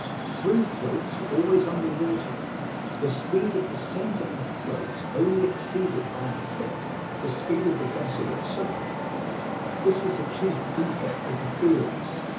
Three floats were always under water. The speed of the centre of the floats only exceeded by a sixth the speed of the vessel itself; this was the chief defect of the wheels.